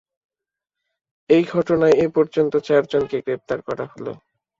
এই ঘটনায় এ পর্যন্ত চারজনকে গ্রেপ্তার করা হলো।